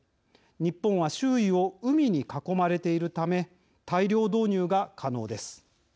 日本は周囲を海に囲まれているため大量導入が可能です。